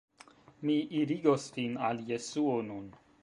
Mi irigos vin al Jesuo nun.